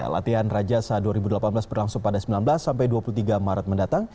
latihan rajasa dua ribu delapan belas berlangsung pada sembilan belas sampai dua puluh tiga maret mendatang